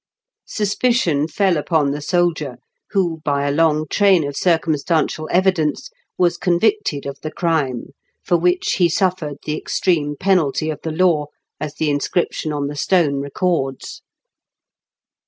Suspicion fell upon the soldier, who, by a long train of circumstantial evidence, was convicted of the crime, for which he suffered the extreme penalty of the law, as the inscription on the ^tone records. Q 2 228 IN KENT WITH 0HABLE8 DICKENS.